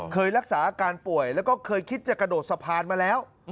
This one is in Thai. เคยรักษาอาการป่วยแล้วก็เคยคิดจะกระโดดสะพานมาแล้ว